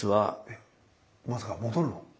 えっまさか戻るの？